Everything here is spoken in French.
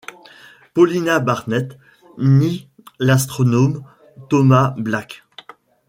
Paulina Barnett, ni l’astronome Thomas Black.